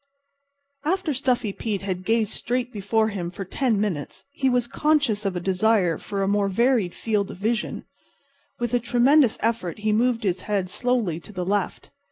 After Stuffy Pete had gazed straight before him for ten minutes he was conscious of a desire for a more varied field of vision. With a tremendous effort he moved his head slowly to the left.